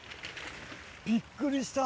びっくりした！